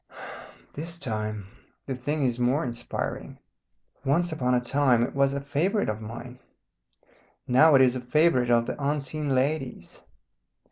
This time the thing is more inspiring. Once upon a time it was a favourite of mine. Now it is a favourite of the unseen lady's.